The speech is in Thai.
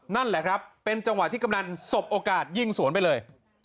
นั่นแหละครับเป็นจังหวะที่กำนันสบโอกาสยิงสวนไปเลย